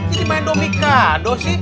ini main domika dosit